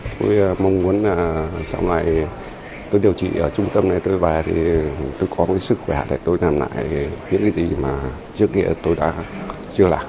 tôi mong muốn là sau này tôi điều trị ở trung tâm này tôi về thì tôi có cái sức khỏe là tôi làm lại những cái gì mà trước nghĩa tôi đã chưa làm